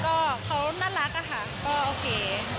ก็เขาน่ารักอะค่ะก็โอเค